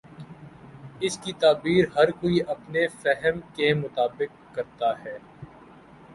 اس کی تعبیر ہر کوئی اپنے فہم کے مطابق کر تا ہے۔